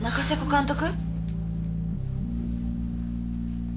監督？